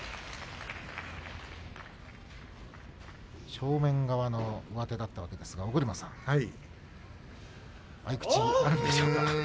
正面側の上手だったわけですが尾車さん合い口、あるんでしょうか。